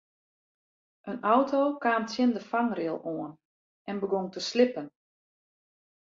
In auto kaam tsjin de fangrail oan en begûn te slippen.